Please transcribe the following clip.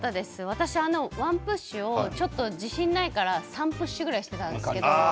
私ワンプッシュを、自信ないから３プッシュぐらいしていたんですよ。